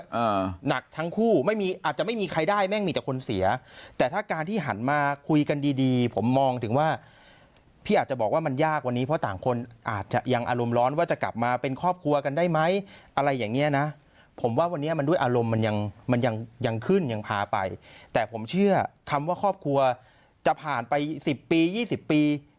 อ่าหนักทั้งคู่ไม่มีอาจจะไม่มีใครได้แม่งมีแต่คนเสียแต่ถ้าการที่หันมาคุยกันดีดีผมมองถึงว่าพี่อาจจะบอกว่ามันยากวันนี้เพราะต่างคนอาจจะยังอารมณ์ร้อนว่าจะกลับมาเป็นครอบครัวกันได้ไหมอะไรอย่างเงี้ยนะผมว่าวันนี้มันด้วยอารมณ์มันยังมันยังยังขึ้นยังพาไปแต่ผมเชื่อคำว่าครอบครัวจะผ่านไปสิบปียี่สิบปี